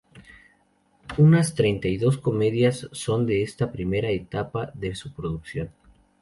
Unas treinta y dos comedias son de esta primera etapa de su producción.